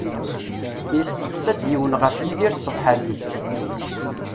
Yesteqsa-d yiwen ɣef Yidir ṣṣbeḥ-agi.